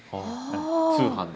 通販で。